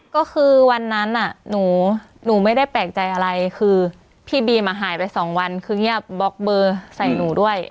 ก็คือวันนั้นหนูไม่ได้แปลกใจอะไรคือพี่บีมอ่ะหายไปสองวันคือเงียบบล็อกเบอร์ใส่หนูด้วย